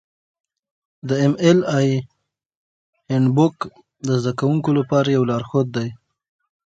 د ایم ایل اې هینډبوک د زده کوونکو لپاره یو لارښود دی.